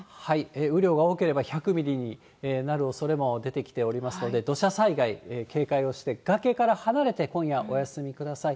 雨量が多ければ１００ミリになるおそれも出てきておりますので、土砂災害、警戒をして、崖から離れて今夜はお休みください。